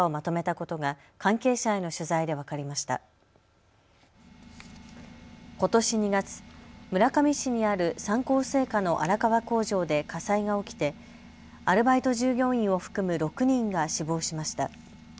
ことし２月、村上市にある三幸製菓の荒川工場で火災が起きてアルバイト従業員を含む６人が死亡しました。